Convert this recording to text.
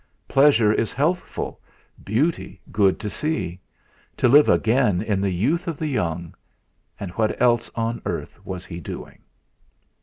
Pleasure is healthful; beauty good to see; to live again in the youth of the young and what else on earth was he doing!